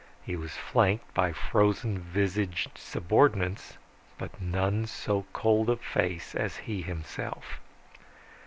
He was flanked by frozen visaged subordinates, but none so cold of face as he himself.